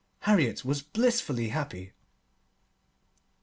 Harriet was blissfully happy.